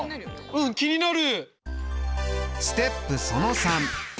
うん気になる。